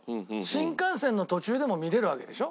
新幹線の途中でも見れるわけでしょ？